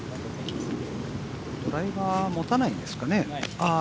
ドライバー持たないんですかね。